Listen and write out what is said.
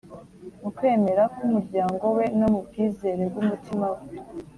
mukwemera k’umuryango we no mu bwizere bw’umutima we